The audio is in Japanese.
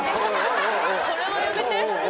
それはやめて？